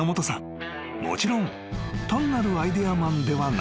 もちろん単なるアイデアマンではない］